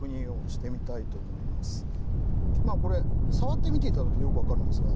これ触ってみて頂くとよく分かるんですが。